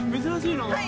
珍しいの？